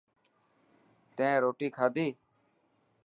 تين روتي کاڌي.